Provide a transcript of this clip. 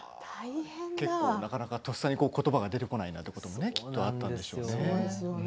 なかなかとっさにことばが出てこないということもあったんでしょうね。